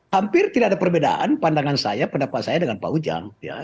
hampir tidak ada perbedaan pandangan saya pendapat saya dengan pak ujang